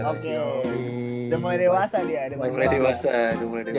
udah mulai dewasa dia